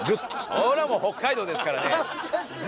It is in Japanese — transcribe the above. そらもう北海道ですからね。